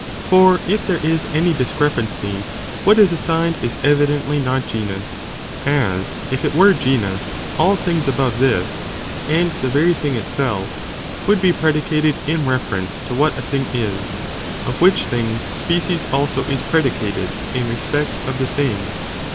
For if there is any discrepancy, what is assigned is evidently not genus, as if it were genus, all things above this, and the very thing itself, would be predi cated in reference to what a thing is, of which things species also is predicated, in respect of the same.